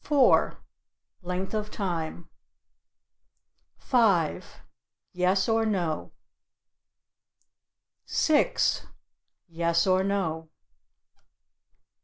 "Length of time." 5. "Yes or no." 6. "Yes or no."